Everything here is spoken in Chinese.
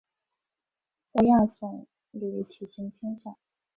在豹亚种里体型偏小。